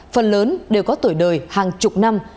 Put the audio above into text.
phần lớn đều có tuổi đời hàng chục năm